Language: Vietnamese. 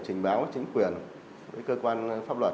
trình báo chính quyền với cơ quan pháp luật